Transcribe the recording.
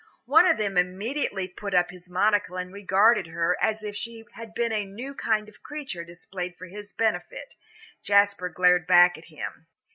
One of them immediately put up his monocle and regarded her as if she had been a new kind of creature displayed for his benefit. Jasper glared back at him.